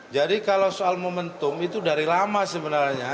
jadi kalau soal momentum itu dari lama sebenarnya